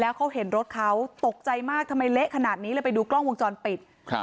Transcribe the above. เขาเห็นรถเขาตกใจมากทำไมเละขนาดนี้เลยไปดูกล้องวงจรปิดครับ